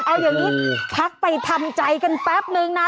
เอาอย่างนี้พักไปทำใจกันแป๊บนึงนะ